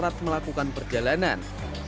sebagai syarat melakukan perjalanan